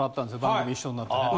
番組一緒になってね。